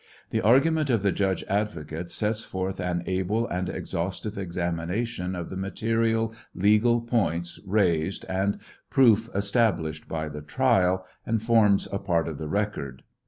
The argument of the judge advocate sets forth an able and exhaustive examination of the material legal points raised and proof established by the trial, and forms a part of the record.